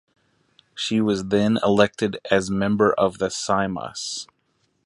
She was then elected as Member of the Seimas.